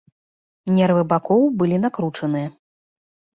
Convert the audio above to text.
Нервы бакоў былі накручаныя.